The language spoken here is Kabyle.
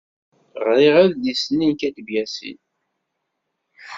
Ɣriɣ adlis-nni n Kateb Yasin.